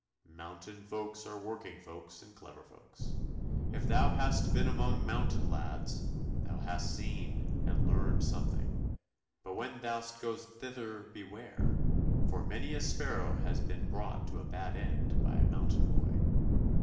"Mountain folks are working folks, and clever folks. If thou hast been among mountain lads, thou hast seen and learnt something, but when thou goest thither beware, for many a sparrow has been brought to a bad end by a mountain boy."